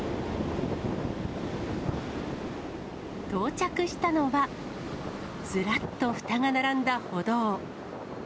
到着したのはずらっとふたが並んだ歩道。